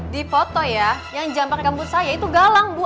di foto ya yang jambak rambut saya itu galang bu